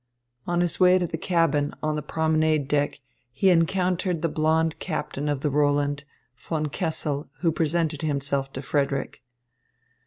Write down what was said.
On his way to the cabin, on the promenade deck, he encountered the blond captain of the Roland, Von Kessel, who presented himself to Frederick.